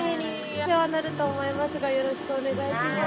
お世話になると思いますがよろしくお願いします。